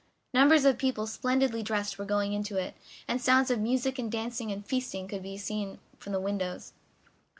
Numbers of people splendidly dressed were going into it, and sounds of music and dancing and feasting could be heard from the windows.